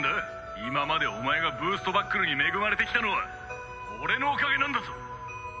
今までお前がブーストバックルに恵まれてきたのは俺のおかげなんだぞ。